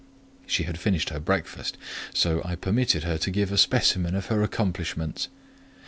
She had finished her breakfast, so I permitted her to give a specimen of her accomplishments.